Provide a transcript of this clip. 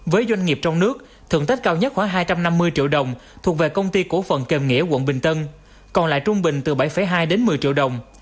với doanh nghiệp trong nước thưởng tết cao nhất khoảng hai trăm năm mươi triệu đồng thuộc về công ty cổ phần kèm nghĩa quận bình tân còn lại trung bình từ bảy hai đến một mươi triệu đồng